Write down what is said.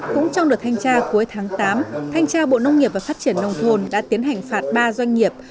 cũng trong đợt thanh tra cuối tháng tám thanh tra bộ nông nghiệp và phát triển nông thôn đã tiến hành phạt ba doanh nghiệp